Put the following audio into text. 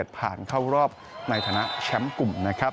ผ่านเข้ารอบในฐานะแชมป์กลุ่มนะครับ